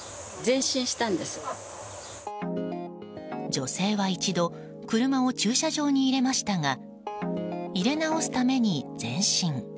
女性は一度車を駐車場に入れましたが入れ直すために前進。